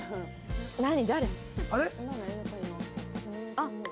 あっ！